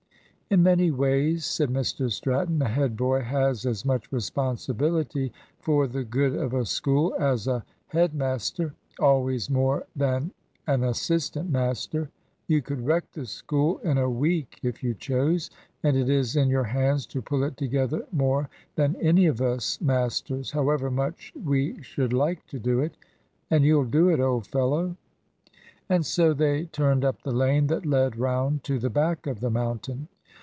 "In many ways," said Mr Stratton, "a head boy has as much responsibility for the good of a school as a head master always more than an assistant master. You could wreck the School in a week if you chose; and it is in your hands to pull it together more than any of us masters, however much we should like to do it. And you'll do it, old fellow!" And so they turned up the lane that led round to the back of the mountain.